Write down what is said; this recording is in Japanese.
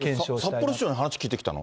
札幌市長に話を聞いてきたの？